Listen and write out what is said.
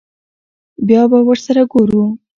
بيا به ور سره ګورو.